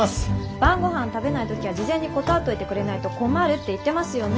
晩ごはん食べない時は事前に断っといてくれないと困るって言ってますよね？